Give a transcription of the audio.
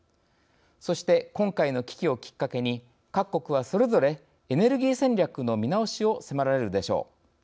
そして、今回の危機をきっかけに各国はそれぞれエネルギー戦略の見直しを迫られるでしょう。